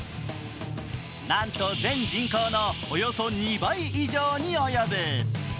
なんと全人口のおよそ２倍以上に及ぶ。